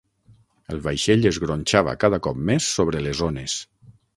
El vaixell es gronxava cada cop més sobre les ones.